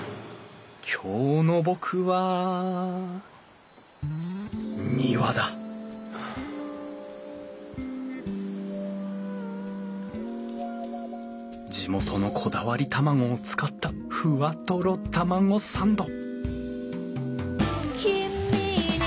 今日の僕は庭だ地元のこだわり卵を使ったふわとろタマゴサンド！